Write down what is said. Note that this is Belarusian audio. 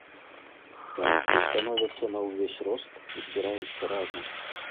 Байцы становяцца на ўвесь рост, збіраюцца разам.